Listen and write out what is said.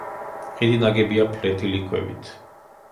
ხიდი ნაგებია ფლეთილი ქვებით.